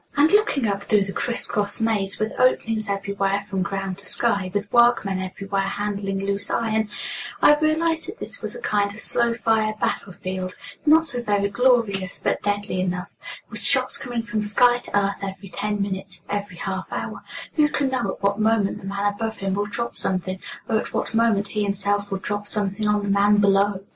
And looking up through the criss cross maze, with openings everywhere from ground to sky, with workmen everywhere handling loose iron, I realized that this was a kind of slow fire battle field, not so very glorious, but deadly enough, with shots coming from sky to earth every ten minutes, every half hour who can know at what moment the man above him will drop something, or at what moment he himself will drop something on the man below!